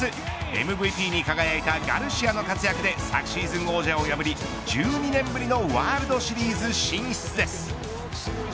ＭＶＰに輝いたガルシアの活躍で昨シーズン王者を破り１２年ぶりのワールドシリーズ進出です。